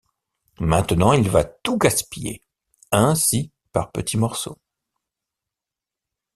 Maintenant, il va tout gaspiller ainsi par petits morceaux…